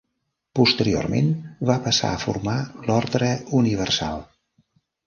Posteriorment va passar a formar l'Ordre Universal.